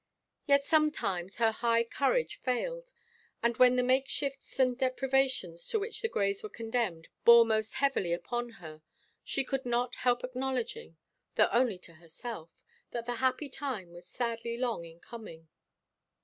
Yet sometimes her high courage failed, and when the makeshifts and deprivations to which the Greys were condemned bore most heavily upon her she could not help acknowledging though only to herself that the happy time was sadly long in coming.